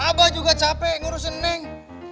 abah juga capek ngurusin ning